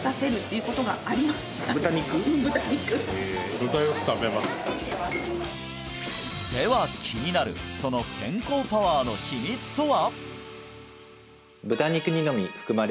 うん豚肉では気になるその健康パワーの秘密とは！？